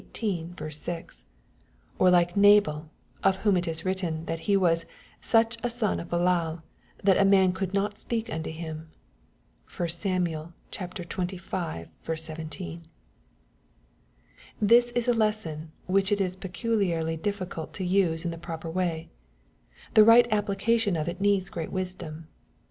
6,) or like Nabal, of whom it is written, that he was " such a son of Belial, that a man could not speak unto him." (1 Sam. xxv. 17.) This is a lesson which it is peculiarly difficult to use in the proper way. The right application of it needs great wisdom.